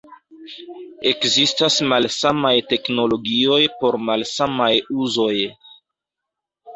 Ekzistas malsamaj teknologioj por malsamaj uzoj.